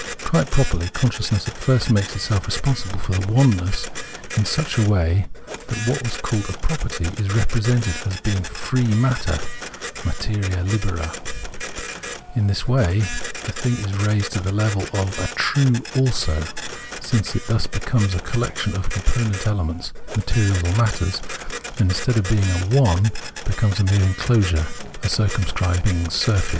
Quite properly consciousness at first makes itself responsible for the " oneness " in such a way that what was called a property is repre sented as being " free matter " {materia libera).* In this way the thing is raised to the level of a true " also," since it thus becomes a collection of component elements (materials or matters), and instead of being a " one " becomes a mere enclosure, a circumscribing surface.